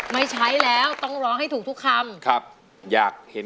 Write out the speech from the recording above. ไม่ใช้แล้วต้องร้องให้ถูกทุกคำครับอยากเห็น